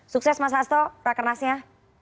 sukses mas asto rakan nasnya